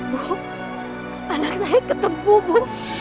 bu anak saya ketemu bu